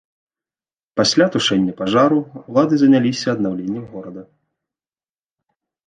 Пасля тушэння пажару ўлады заняліся аднаўленнем горада.